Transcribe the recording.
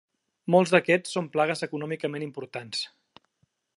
Molts d'aquests són plagues econòmicament importants.